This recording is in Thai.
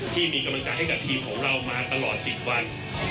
ที่มีกำลังใจให้กับทีมของเรามาตลอด๑๐วัน